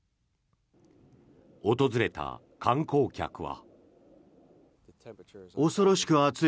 訪れた観光客は。